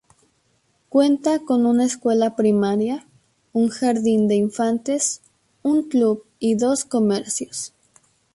Cuenta con una escuela primaria, un jardín de infantes, un club y dos comercios.